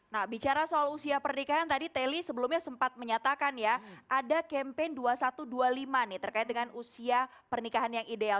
nah bicara soal usia pernikahan tadi teli sebelumnya sempat menyatakan ya ada campaign dua ribu satu ratus dua puluh lima nih terkait dengan usia pernikahan yang ideal